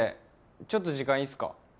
ちょっと時間いいっすか？